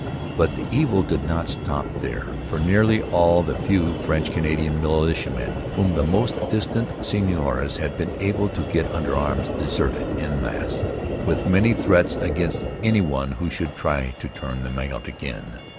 But the evil did not stop there; for nearly all the few French Canadian militiamen whom the more distant seigneurs had been able to get under arms deserted en masse, with many threats against any one who should try to turn them out again.